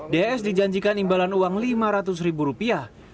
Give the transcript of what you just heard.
ds dijanjikan imbalan uang lima ratus ribu rupiah